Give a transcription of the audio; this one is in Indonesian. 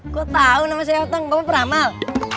kok tau nama saya oteng bapak perhamal